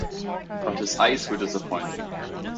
But his eyes were disappointing.